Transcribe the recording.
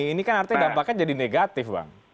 ini kan artinya dampaknya jadi negatif bang